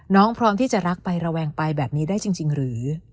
พร้อมที่จะรักไประแวงไปแบบนี้ได้จริงหรือ